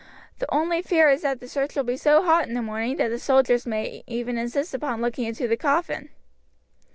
The only fear is that the search will be so hot in the morning that the soldiers may even insist upon looking into the coffin."